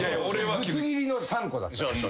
ぶつ切りの３個だった。